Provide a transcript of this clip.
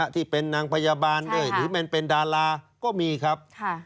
ที่เป็นนางพยาบาลด้วยหรือมันเป็นดาราก็มีครับ